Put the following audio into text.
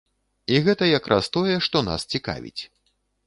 І гэта як раз тое, што нас цікавіць.